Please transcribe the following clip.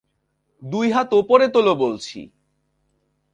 দুই হাত ওপরে তোলো বলছি।